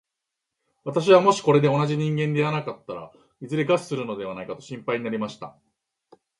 私はもしこれで同じ人間に出会わなかったら、いずれ餓死するのではないかと心配になりました。